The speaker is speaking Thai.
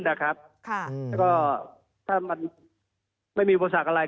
แล้วก็ถ้ามันไม่มีอุปสรรคอะไร